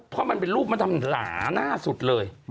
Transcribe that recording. เพราะมันเป็นรูปมันทำหลาหน้าสุดเลย